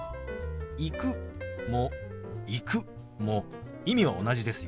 「行く」も「行く」も意味は同じですよ。